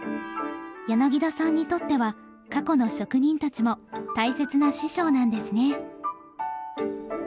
柳田さんにとっては過去の職人たちも大切な師匠なんですね。